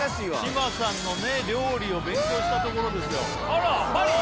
志麻さんのね料理を勉強した所ですよ。